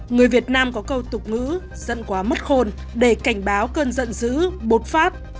người việt nam có câu tục ngữ dẫn quá mất khôn để cảnh báo cơn giận dữ bột phát